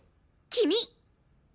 君！